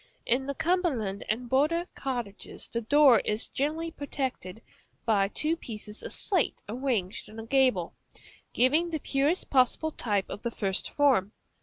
In the Cumberland and border cottages the door is generally protected by two pieces of slate arranged in a gable, giving the purest possible type of the first form.